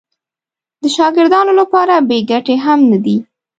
د شاګردانو لپاره بې ګټې هم نه دي.